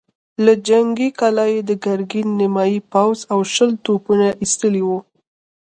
له جنګي کلا يې د ګرګين نيمايي پوځ او شل توپونه ايستلي ول.